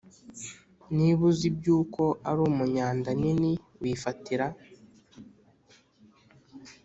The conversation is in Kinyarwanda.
Niba uzibyuko uri umunyandanini wifatira